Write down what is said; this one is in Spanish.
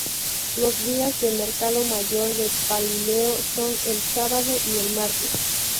Los días de mercado mayor de Pelileo son el sábado y el martes.